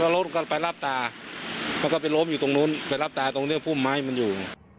รถก็ไปรับตาแล้วก็ไปล้มอยู่ตรงนู้นไปรับตาตรงนี้พุ่มไม้มันอยู่